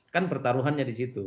kan pertaruhannya di situ